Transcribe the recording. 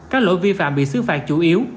các lỗi vi phạm bị xứ phạt chủ yếu